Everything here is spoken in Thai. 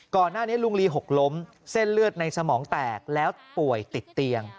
ลุงลีหกล้มเส้นเลือดในสมองแตกแล้วป่วยติดเตียง